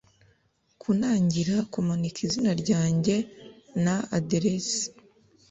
kunangira kumanika izina ryanjye na aderesi